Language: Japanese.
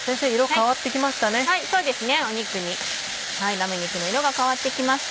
ラム肉の色が変わってきました。